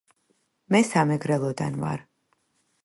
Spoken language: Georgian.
მე სამეგრელოდან ვარ.